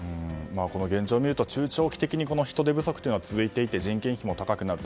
この現状を見ると中長期的に人手不足が続いていて、人件費も高くなる。